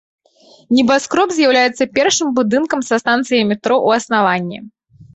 Небаскроб з'яўляецца першым будынкам са станцыяй метро ў аснаванні.